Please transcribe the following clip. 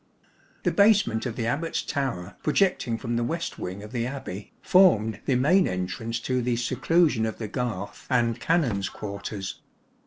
The basement of the Abbat's tower, projecting from the west wing of the Abbey, formed the main entrance to the seclusion of the garth and Canons' quarters.